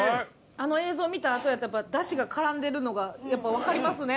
あの映像見たあとやったからだしが絡んでるのがやっぱわかりますね